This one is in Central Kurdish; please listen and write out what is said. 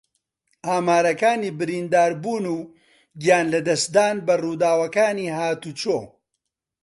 ئامارەکانی برینداربوون و گیانلەدەستدان بە ڕووداوەکانی ھاتوچۆ